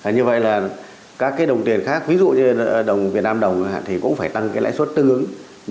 như vậy là các cái đồng tiền khác ví dụ như đồng việt nam đồng thì cũng phải tăng cái lãi suất tương ứng